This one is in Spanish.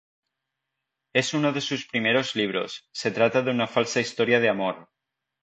Es uno de sus primeros libros, se trata de una falsa historia de amor.